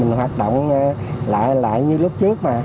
mình hoạt động lại như lúc trước mà